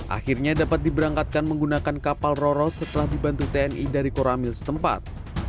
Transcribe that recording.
akhirnya dapat diberangkatkan menggunakan kapal roro setelah dibantu tni dari koramil setempat